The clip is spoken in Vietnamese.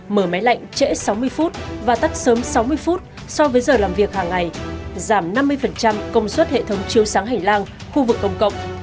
mở máy lạnh trễ sáu mươi phút và tắt sớm sáu mươi phút so với giờ làm việc hàng ngày giảm năm mươi công suất hệ thống chiếu sáng hành lang khu vực công cộng